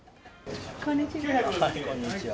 こんにちは。